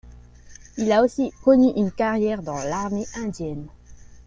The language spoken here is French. Il a aussi connu une carrière dans l'armée indienne.